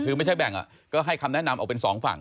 คือไม่ใช่แบ่งก็ให้คำแนะนำออกเป็นสองฝั่ง